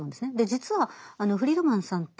実はフリードマンさんって